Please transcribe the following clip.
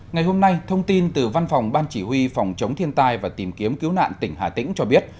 ngày hôm nay thông tin từ văn phòng ban chỉ huy phòng chống thiên tai và tìm kiếm cứu nạn tỉnh hà tĩnh cho biết